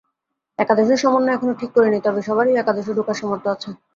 একাদশের সমন্বয় এখনো ঠিক করিনি, তবে সবারই একাদশে ঢোকার সামর্থ্য আছে।